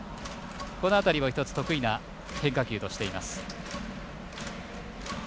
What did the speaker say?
この辺りを一つ得意な変化球としています。